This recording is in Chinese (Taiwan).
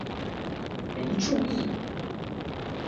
沒注意！